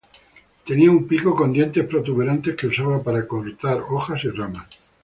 Tenía un pico con dientes protuberantes que usaba para cortar hojas y ramas.